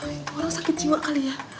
itu orang sakit jiwa kali ya